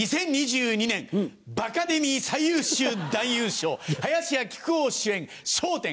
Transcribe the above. ２０２２年バカデミー最優秀男優賞林家木久扇主演『笑点』